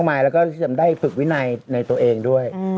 สมัครได้ปรึกวินัยในตัวเองด้วย